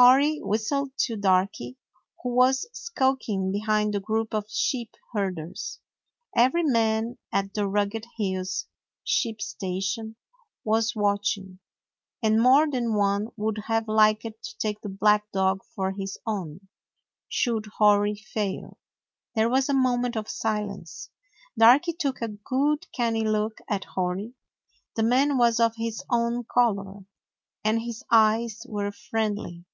Hori whistled to Darky, who was skulking behind the group of sheep herders. Every man at the Rugged Hills sheep station was watching, and more than one would have liked to take the black dog for his own, should Hori fail. There was a moment of silence. Darky took a good canny look at Hori. The man was of his own color, and his eyes were friendly.